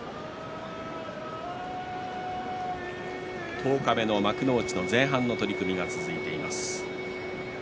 十日目の幕内前半の取組が進んでいます。